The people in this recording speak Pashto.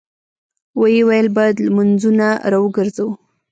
ويې ويل: بايد لمونځونه راوګرځوو!